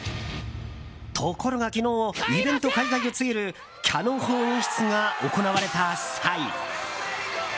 ところが昨日イベント開会を告げるキヤノン砲演出が行われた際。